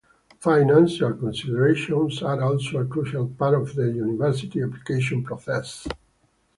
Financial considerations are also a crucial part of the university application process.